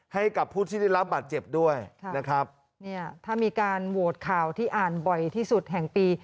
ให้กับผู้ที่ได้รับบาดเจ็บด้วยนะครับเนี่ยถ้ามีการโหวตข่าวที่อ่านบ่อยที่สุดแห่งปี